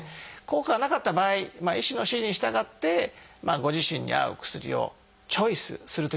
効果がなかった場合医師の指示に従ってご自身に合う薬をチョイスするということになりますね。